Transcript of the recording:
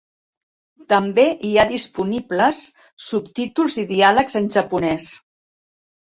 També hi ha disponibles subtítols i diàlegs en japonès.